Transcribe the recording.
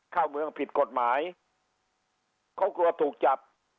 เข้าเมืองผิดกฎหมายเขากลัวถูกจับ